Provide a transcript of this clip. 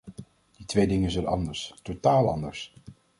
Die twee dingen zijn anders, totaal anders.